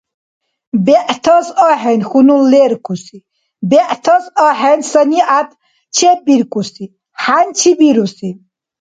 БегӀтас ахӀен хьунул леркуси, бегӀтас ахӀен санигӀят чеббиркӀуси, хӀянчи бируси.